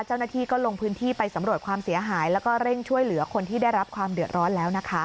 เจ้าหน้าที่ก็ลงพื้นที่ไปสำรวจความเสียหายแล้วก็เร่งช่วยเหลือคนที่ได้รับความเดือดร้อนแล้วนะคะ